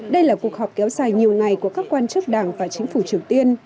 đây là cuộc họp kéo dài nhiều ngày của các quan chức đảng và chính phủ triều tiên